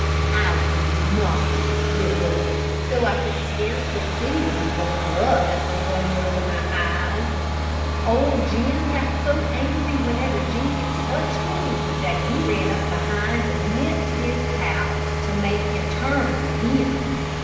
I would not give up, though I could scarcely see him for the blood that was running over my eyes. Old Jim got so angry whenever Jenkins touched me, that he ran up behind and nipped his calves, to make him turn on him.